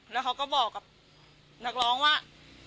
แล้วเขาก็บอกกับนักร้องว่า